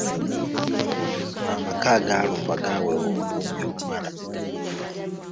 Amaka agaalumbwa gaaweebwa obukuumi obumala.